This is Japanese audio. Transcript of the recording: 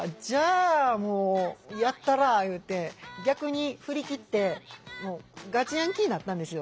もうやったらあいうて逆に振り切ってもうガチヤンキーになったんですよ。